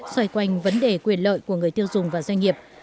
xoay quanh vấn đề quyền lợi của người tiêu dùng và doanh nghiệp